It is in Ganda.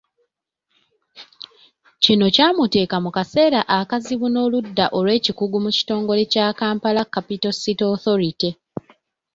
Kino kyamuteeka mu kaseera akazibu n’oludda olw’ekikugu mu kitongole kya Kampala Capital City Authority .